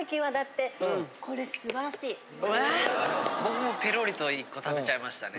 僕もペロリと１個食べちゃいましたね。